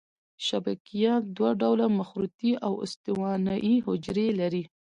شبکیه دوه ډوله مخروطي او استوانه یي حجرې لري.